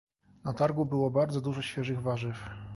Na targu było bardzo dużo świeżych warzyw.